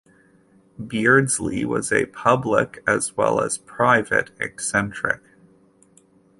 Beardsley was a public as well as private eccentric.